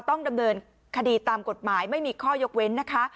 ต้องดำเนินคดีตามกฎหมายไม่มีข้อยกเว้นนะคะ